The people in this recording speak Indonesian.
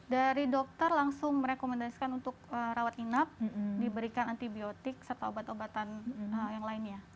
dari dokter langsung merekomendasikan untuk rawat inap diberikan antibiotik serta obat obatan yang lainnya